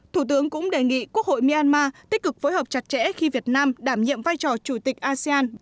thủ tướng cũng đề nghị quốc hội myanmar tích cực phối hợp chặt chẽ khi việt nam đảm nhiệm vai trò chủ tịch asean